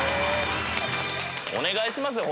お願いしますよ